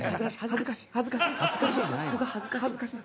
僕恥ずかしい。